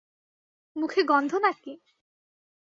মুখে গন্ধ নাকি?